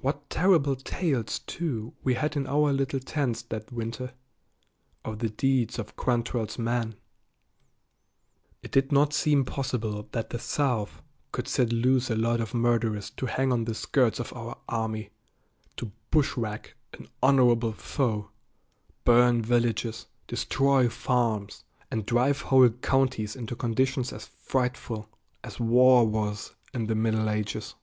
What terrible tales, too, we had in our little tents that winter, of the deeds of Quantrell's men. It did not seem possible that the South could set loose a lot of murderers to hang on the skirts of our army, to "bushwhack" an honorable foe, burn villages, destroy farms, and drive whole counties into conditions as frightful as war was in the Middle Ages.